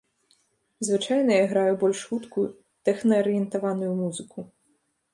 Звычайна я граю больш хуткую, тэхна-арыентаваную музыку.